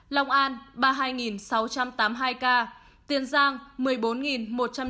lòng an ba mươi hai sáu trăm tám mươi hai ca tiền giang một mươi bốn một trăm linh ca